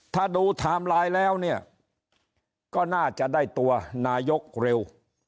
ถ้าดูไทม์ไลน์แล้วเนี่ยก็น่าจะได้ตัวนายกเร็ว